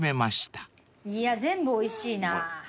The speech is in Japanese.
いや全部おいしいな。